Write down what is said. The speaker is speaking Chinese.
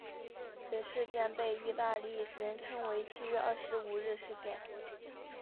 此事件被意大利人称为七月二十五日事件。